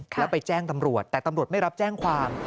แล้วไปแจ้งตำรวจแต่ตำรวจไม่รับแจ้งความ